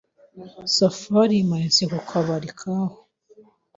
Safari yimanitse ku kabari kaho.